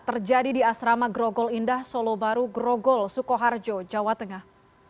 terjadi di asrama grogol indah solo baru grogol sukoharjo jawa tengah